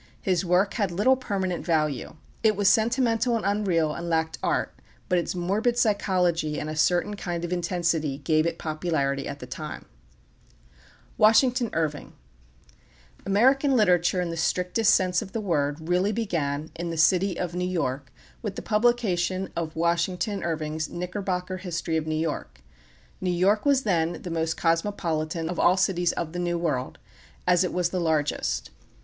His work had little permanent value. It was sentimental and unreal, and lacked art; but its morbid psychology and a certain kind of intensity gave it popularity at the time. [Illustration: PAULDING'S HOME AT PLEASANT VALLEY, N. Y.] WASHINGTON IRVING American literature in the strictest sense of the word really began in the city of New York with the publication of Washington Irving's Knickerbocker History of New York. New York was then the most cosmopolitan of all cities of the New World, as it was the largest.